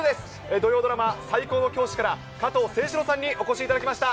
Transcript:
土曜ドラマ、最高の教師から加藤清史郎さんにお越しいただきました。